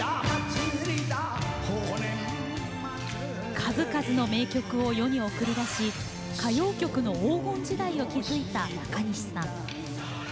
数々の名曲を世に送り出し歌謡曲の黄金時代を築いたなかにしさん。